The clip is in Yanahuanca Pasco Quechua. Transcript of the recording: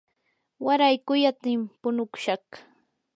waray quyatim punukushaq.